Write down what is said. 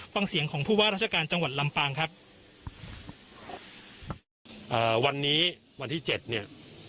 ฟังเสียงของผู้ว่าราชการจังหวัดลำปางครับเอ่อวันนี้วันที่เจ็ดเนี่ย